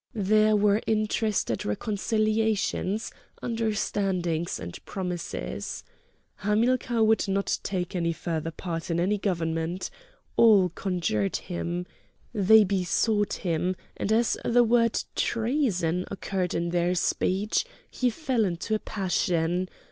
There were interested reconciliations, understandings, and promises. Hamilcar would not take any further part in any government. All conjured him. They besought him; and as the word treason occurred in their speech, he fell into a passion.